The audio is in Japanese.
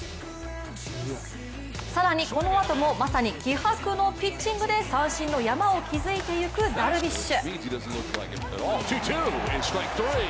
更にこのあともまさに気迫のピッチングで三振の山を築いていくダルビッシュ。